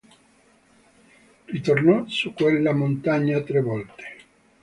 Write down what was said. Ritornò su quella montagna tre volte.